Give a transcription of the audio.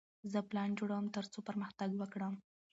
زه پلان جوړوم ترڅو پرمختګ وکړم.